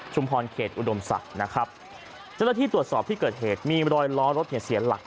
เขตอุดมศักดิ์นะครับเจ้าหน้าที่ตรวจสอบที่เกิดเหตุมีรอยล้อรถเนี่ยเสียหลัก